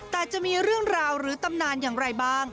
แต่จะมีเรื่องราวหรือตำนานอย่างไรบ้าง